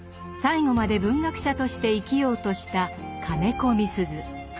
最後まで文学者として生きようとした金子みすゞ。